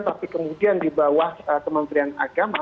tapi kemudian di bawah kementerian agama